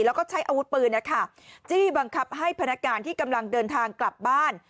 แล้วก็ใช้อาวุธปืนจี้บังคับให้พนักงานที่กำลังเดินทางกลับบ้าน